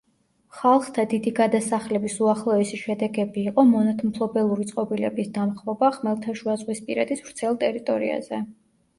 ხალხთა დიდი გადასახლების უახლოესი შედეგები იყო მონათმფლობელური წყობილების დამხობა ხმელთაშუაზღვისპირეთის ვრცელ ტერიტორიაზე.